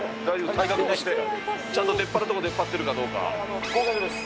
体格としてちゃんと出っ張ってるところ、出っ張ってるかどうか。